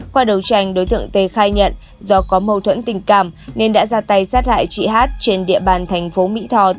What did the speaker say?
qua đấu tranh đối tượng tê khai nhận do có mâu thuẫn tình cảm nên đã ra tay sát hại chị hát trên địa bàn thành phố mỹ tho